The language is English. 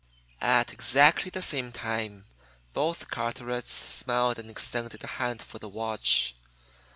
At exactly the same time both Carterets smiled and extended a hand for the watch.